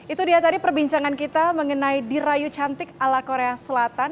itu dia tadi perbincangan kita mengenai dirayu cantik ala korea selatan